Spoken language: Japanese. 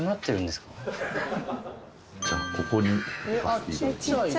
じゃあここに置かせていただきます。